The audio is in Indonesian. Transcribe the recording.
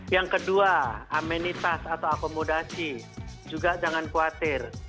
yang kedua amenitas atau akomodasi juga jangan khawatir